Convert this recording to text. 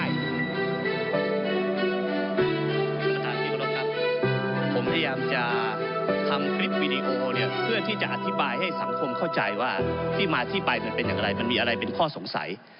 ที่กรบครับผมพยายามจะทำคลิปวิดีโอเนี่ยเพื่อที่จะอธิบายให้สังคมเข้าใจว่าที่มาที่ไปมันเป็นอย่างไรมันมีอะไรเป็นข้อสงสัย